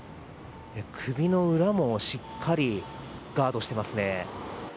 首の裏もしっかりガードしていますね。